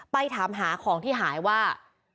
ไปถามหาของที่หายว่า